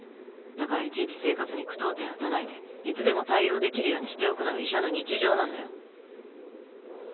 だからいちいち生活に句読点を打たないでいつでも対応できるようにしておくのが医者の日常なんだよ。